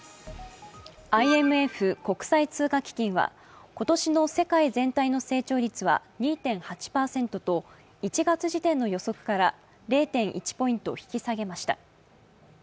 ＩＭＦ＝国際通貨基金は今年の世界全体の成長率は２．８％と１月時点の予測から０．１ポイント引き下げました。